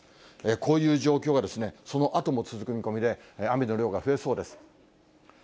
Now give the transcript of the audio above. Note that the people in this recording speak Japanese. こういう状況がそのあとも続く見込みで、雨の量が増えそうです。